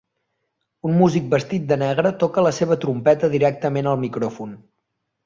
Un músic vestit de negre toca la seva trompeta directament al micròfon.